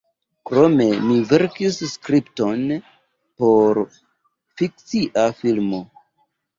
Krome mi verkis skripton por fikcia filmo.